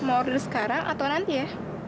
mau order sekarang atau nanti ya